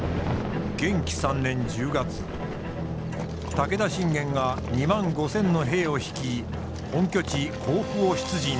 武田信玄が２万５，０００の兵を率い本拠地甲府を出陣。